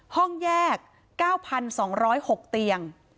ห้องแยก๙๒๐๖เตียง